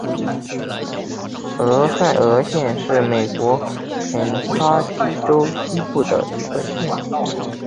俄亥俄县是美国肯塔基州西部的一个县。